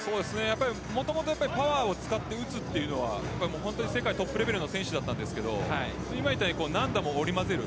もともとパワーを使って打つというのは世界トップレベルの選手だったんですけど今みたいに軟打も織り交ぜる。